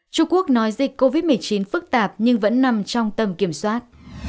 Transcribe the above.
trung quốc nói dịch covid một mươi chín phức tạp nhưng vẫn nằm trong tầm kiểm soát